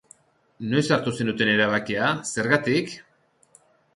Noiz hartu zenuten erabakia, zergatik?